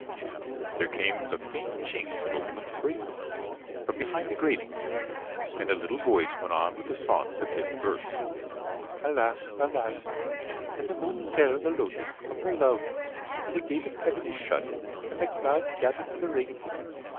There came the faint tchinks of a woman's bracelets from behind the grating, and a little voice went on with the song at the fifth verse: Alas! alas! Can the Moon tell the Lotus of her love when the Gate of Heaven is shut and the clouds gather for the rains?